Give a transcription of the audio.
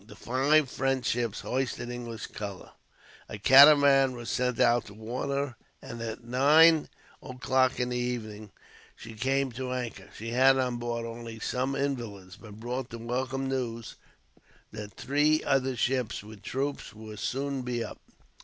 The five French ships hoisted English colours. A catamaran was sent out to warn her, and at nine o'clock in the evening she came to anchor. She had on board only some invalids, but brought the welcome news that three other ships, with troops, would soon be up.